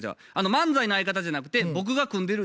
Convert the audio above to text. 漫才の相方じゃなくて僕が組んでる